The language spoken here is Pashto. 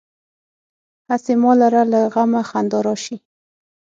هسې ما لره له غمه خندا راشي.